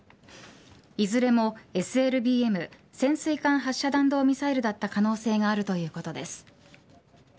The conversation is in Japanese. いずれも、ＳＬＢＭ潜水艦発射弾道ミサイルだった可能性があるということです。